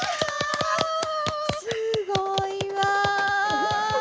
すごいわ！